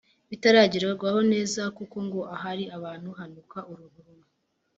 bitaragerwaho neza kuko ngo ahari abantu hanuka urunturuntu.